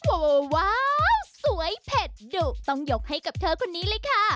โอ้โหว้าวสวยเผ็ดดุต้องยกให้กับเธอคนนี้เลยค่ะ